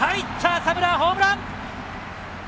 浅村、ホームラン！